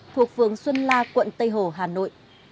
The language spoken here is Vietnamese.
thuộc phường xuân la quận tây hồ hà nội